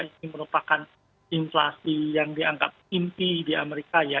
ini merupakan inflasi yang dianggap inti di amerika ya